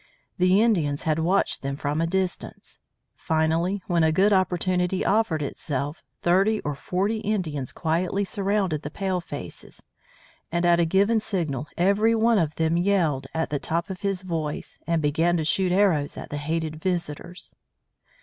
The Indians had watched them from a distance. Finally, when a good opportunity offered itself, thirty or forty Indians quietly surrounded the palefaces, and at a given signal every one of them yelled at the top of his voice and began to shoot arrows at the hated visitors.